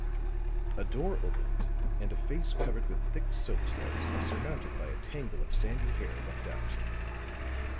A door opened, and a face covered with thick soap suds and surmounted by a tangle of sandy hair looked out.